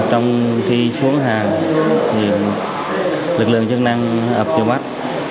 trong khi xuống hàng thì lực lượng chức năng ập vô mắt